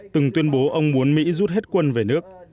từng tuyên bố ông muốn mỹ rút hết quân về nước